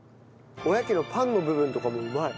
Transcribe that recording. おやきのパンの部分とかもうまい。